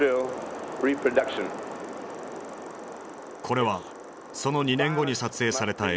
これはその２年後に撮影された映像。